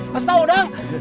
pasti tahu dang